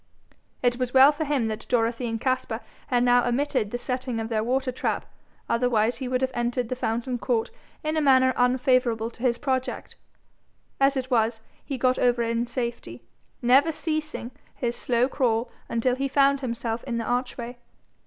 It was well for him that Dorothy and Caspar had now omitted the setting of their water trap, otherwise he would have entered the fountain court in a manner unfavourable to his project. As it was, he got over in safety, never ceasing his slow crawl until he found himself in the archway.